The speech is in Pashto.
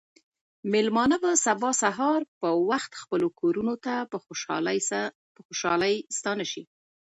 مېلمانه به سبا سهار په وخت خپلو کورونو ته په خوشحالۍ ستانه شي.